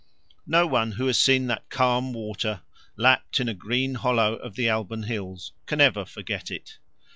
No one who has seen that calm water, lapped in a green hollow of the Alban hills, can ever forget it.